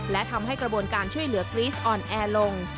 และทำให้กระบวนการช่วยเหลือกรี๊สอ่อนแอลง